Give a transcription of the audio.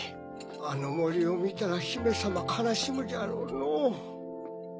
あの森を見たら姫様悲しむじゃろうのう。